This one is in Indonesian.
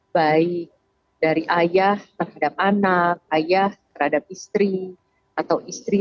baik dari ayah terhadap anak ayah terhadap istri atau istri